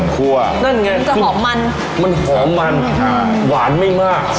กะลังดี